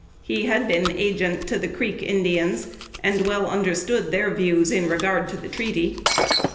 He had been agent to the Creek Indians, and well understood their views in regard to the treaty.